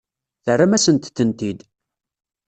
Terram-asent-tent-id.